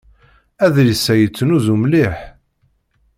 Adlis-a yettnuzu mliḥ.